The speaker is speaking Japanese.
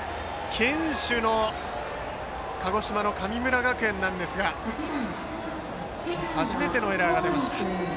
堅守の鹿児島の神村学園ですが初めてのエラーが出ました。